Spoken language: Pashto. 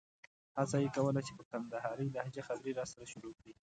هڅه یې کوله چې په کندارۍ لهجه خبرې راسره شروع کړي.